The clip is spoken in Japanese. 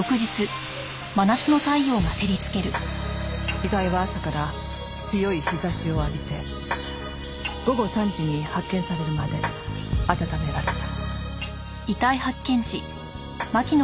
遺体は朝から強い日差しを浴びて午後３時に発見されるまで温められた。